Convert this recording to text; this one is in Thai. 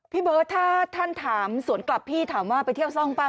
พี่เบิร์ตถ้าท่านถามสวนกลับพี่ถามว่าไปเที่ยวซ่องป่